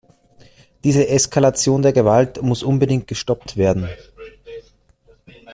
Diese Eskalation der Gewalt muss unbedingt gestoppt werden.